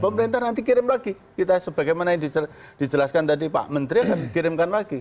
pemerintah nanti kirim lagi kita sebagaimana yang diseluruh dijelaskan tadi pak menteri kirimkan lagi